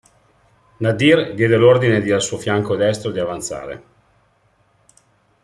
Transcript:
Nadir diede l'ordine di al suo fianco destro di avanzare.